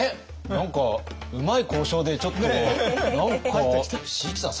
何かうまい交渉でちょっと何か椎木さん